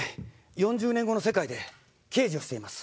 ４０年後の世界で刑事をしています！